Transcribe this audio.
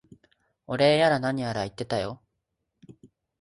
お礼やら何やら言ってたよ。